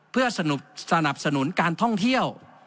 เพื่อสนับสนุนการท่องเที่ยว